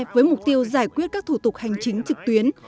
với mục tiêu giải quyết các thủ tục hành chính trực tuyến